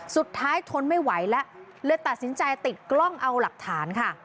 ทนไม่ไหวแล้วเลยตัดสินใจติดกล้องเอาหลักฐานค่ะ